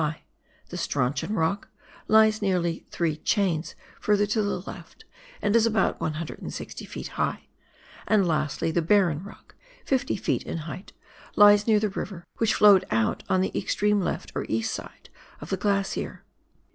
high ; the "Strauchon" Rock lies nearly three chains further to the left, and is about 160 ft. high, and lastly the "Barron" Rock, 50 ft. in height, lies near the river, which flowed out on the extreme left or east side of the glacier.